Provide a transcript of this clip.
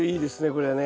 これはね。